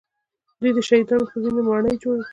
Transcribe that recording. دوی د شهیدانو په وینو ماڼۍ جوړې کړې